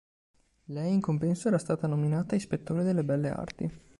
Lei, in compenso, era stata nominata "ispettore delle Belle Arti".